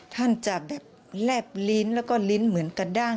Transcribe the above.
ท่านจะแบบแลบลิ้นแล้วก็ลิ้นเหมือนกระด้าง